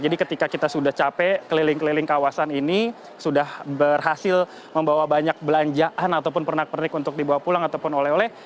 jadi ketika kita sudah capek keliling keliling kawasan ini sudah berhasil membawa banyak belanjaan ataupun pernak pernik untuk dibawa pulang ataupun oleh oleh